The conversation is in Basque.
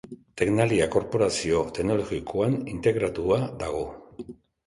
Tecnalia korporazio teknologikoan integratua dago.